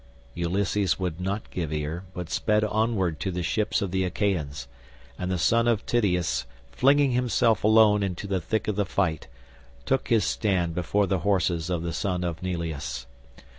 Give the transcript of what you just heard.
Ulysses would not give ear, but sped onward to the ships of the Achaeans, and the son of Tydeus flinging himself alone into the thick of the fight took his stand before the horses of the son of Neleus.